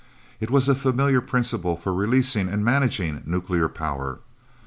It was a familiar principle for releasing and managing nuclear power.